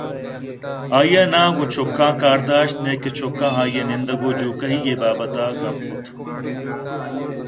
آئیءَ ناں گوں چکُاں کار داشت نیکہ چکُاں آئی ءِ نندگ ءُجوکہی ءِ بابتءَ گپ کُت